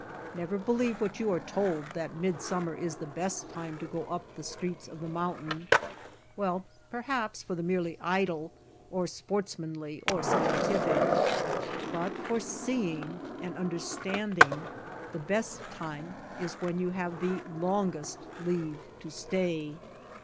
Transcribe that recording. Never believe what you are told, that midsummer is the best time to go up the streets of the mountain — well — perhaps 1 86 THE STREETS OF THE MOUNTAINS for the merely idle or sportsmanly or sci entific; but for seeing and understanding, the best time is when you have the longest leave to stay.